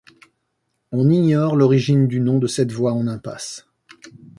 On ignore l'origine du nom de cette voie en impasse.